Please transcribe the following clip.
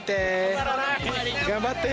頑張って！